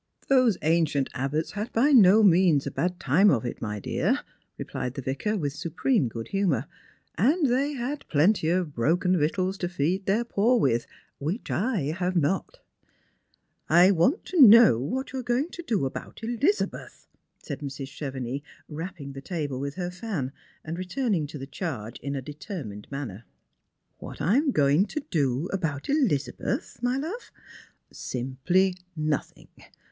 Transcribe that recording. " Those ancient abbots had by no means a bad time of it, my dear," repUed the Vicar, with supreme good humour, " and they had plenty of broken victuals to feed their poor with, which I have not." *' I want to know what you are going to do about Elizabeth," 82 Strangers and Pilgrims. said Mrs. Chevenix, rapping the table with her fan, and return* ing to the charge in a determined manner. " What I am going to do about EUzabeth, my love ? Simply nothing.